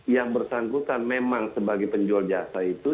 yang bersangkutan memang sebagai penjual jasa itu